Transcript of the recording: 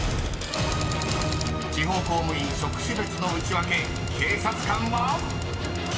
［地方公務員職種別のウチワケ警察官は⁉］